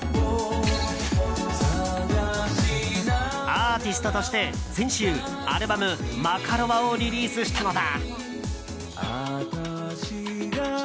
アーティストとして先週アルバム「マカロワ」をリリースしたのだ。